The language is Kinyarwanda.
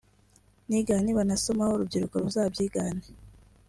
Nigga… (nibanasomaho urubyiruko ruzabyigane